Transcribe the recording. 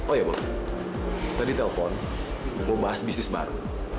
oh iya bob tadi telepon mau bahas bisnis baru